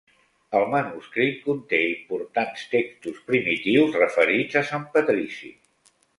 El manuscrit conté importants textos primitius referits a sant Patrici.